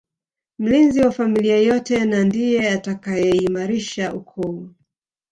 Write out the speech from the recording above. Mlinzi wa familia yote na ndiye atakayeimarisha ukoo